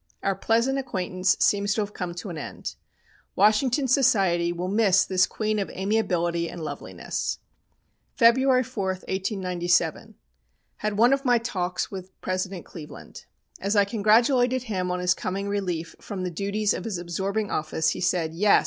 Our pleasant acquaintance seems to have come to an end. Washington society will miss this queen of amiability and loveliness. "February 4, 1897. Had one of my talks with President Cleveland. "As I congratulated him on his coming relief from the duties of his absorbing office, he said: "'Yes!